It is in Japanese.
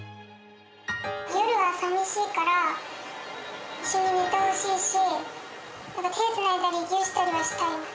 夜はさみしいから、一緒に寝てほしいし、手をつないだりぎゅーしたりしたい。